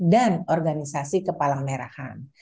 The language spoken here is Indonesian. dan organisasi kepala merahan